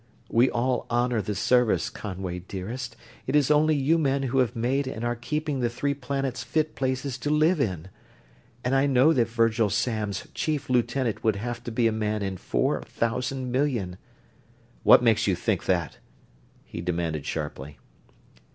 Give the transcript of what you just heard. We all honor the Service, Conway dearest it is only you men who have made and are keeping the Three Planets fit places to live in and I know that Virgil Samms' chief lieutenant would have to be a man in four thousand million...." "What makes you think that?" he demanded sharply.